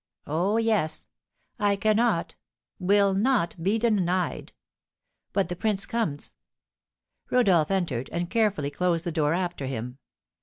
Oh, yes! I cannot will not be denied! But the prince comes!" Rodolph entered, and carefully closed the door after him.